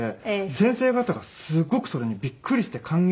先生方がすごくそれにびっくりして感激されてね